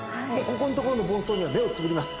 ここんところの凡走には目をつぶります。